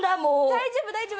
大丈夫大丈夫！